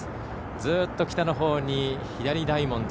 ずっと北のほうに左大文字。